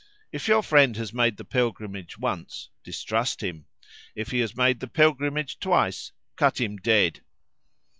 "If your friend has made the pilgrimage once, distrust him; if he has made the pilgrimage twice, cut him dead!"